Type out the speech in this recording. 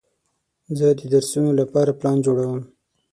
زه د درسونو لپاره پلان جوړوم.